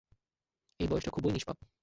এই বয়সটা খুবই নিষ্পাপ।